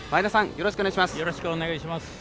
よろしくお願いします。